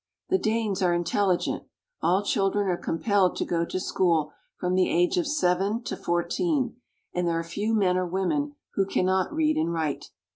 The Danes are intelligent. All children are compelled to go to school from the age of seven to fourteen, and there are few men or women who cannot read and write.